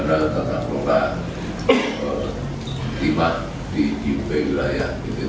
untuk mengumpulkan alat bukti tambahan yang mengakibatkan kerugian negara